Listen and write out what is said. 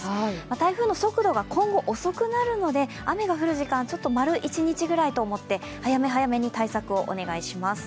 台風の速度が今後、遅くなるので雨が降る時間、ちょっと丸１日ぐらいと思って早め早めに対策をお願いします。